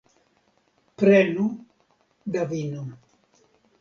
Prenu da vino.